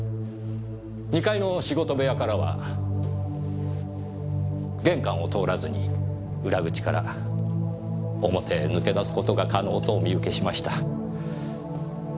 ２階の仕事部屋からは玄関を通らずに裏口から表へ抜け出す事が可能とお見受けしました。